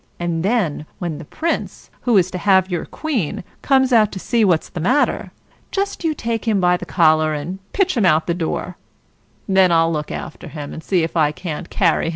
And then when the prince, who is to have your Queen, comes out to see what's the matter, just you take him by the collar and pitch him out of doors; then I'll look after him, and see if I can't carry him off."